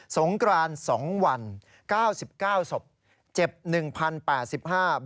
สงกราน๒วัน๙๙ศพเจ็บ๑๐๘๕บาท